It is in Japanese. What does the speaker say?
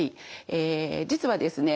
え実はですね